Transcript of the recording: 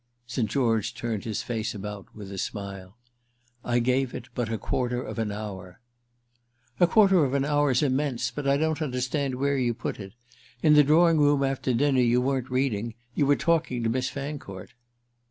St. George turned his face about with a smile. "I gave it but a quarter of an hour." "A quarter of an hour's immense, but I don't understand where you put it in. In the drawing room after dinner you weren't reading—you were talking to Miss Fancourt."